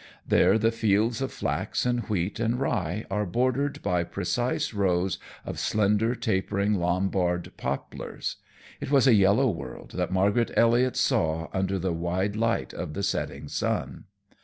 There the fields of flax and wheat and rye are bordered by precise rows of slender, tapering Lombard poplars. It was a yellow world that Margaret Elliot saw under the wide light of the setting sun.